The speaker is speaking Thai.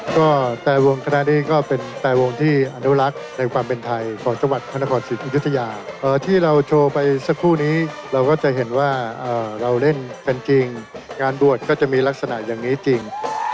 ก็แต่วงคณะนี้ก็เป็นแต่วงที่อนุรักษ์ในความเป็นไทยของจังหวัดพระนครศรีอยุธยาที่เราโชว์ไปสักครู่นี้เราก็จะเห็นว่าเราเล่นกันจริงงานบวชก็จะมีลักษณะอย่างนี้จริง